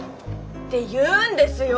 って言うんですよ！